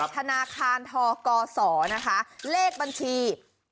ธนาคารทกศนะคะเลขบัญชี๐๒๐๒๐๓๔๔๘๙๐๐